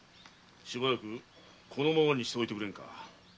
しばらくこのままにしておいてくれぬか？